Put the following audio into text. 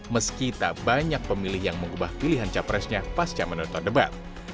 meski tak banyak pemilih yang mengubah pilihan capresnya pasca menonton debat